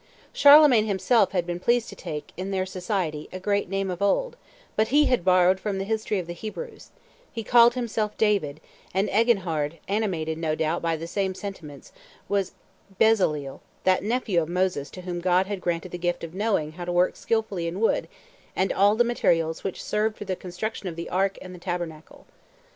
Charlemagne himself had been pleased to take, in their society, a great name of old, but he had borrowed from the history of the Hebrews he called himself David; and Eginhard, animated, no doubt, by the same sentiments, was Bezaleel, that nephew of Moses to whom God had granted the gift of knowing how to work skilfully in wood and all the materials which served for the construction of the ark and the tabernacle.